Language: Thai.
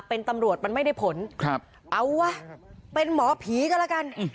เป็นตำรวจมันไม่ได้ผลครับเอาวะเป็นหมอผีก็แล้วกัน